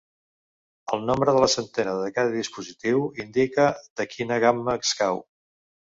El nombre de la centena de cada dispositiu indica de quina gamma escau.